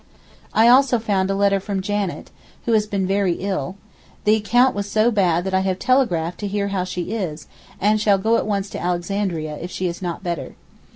I also found a letter from Janet, who has been very ill; the account was so bad that I have telegraphed to hear how she is, and shall go at once to Alexandria if she is not better.